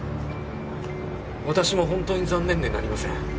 私も本当に残念でなりません。